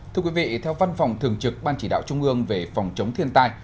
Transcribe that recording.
thưa quý vị theo văn phòng thường trực ban chỉ đạo trung ương về phòng chống thiên tai